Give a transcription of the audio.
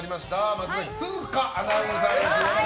松崎涼佳アナウンサーです。